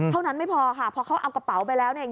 เท่านั้นไม่พอค่ะเพราะเขาเอากระเป๋าไปแล้วเนี่ย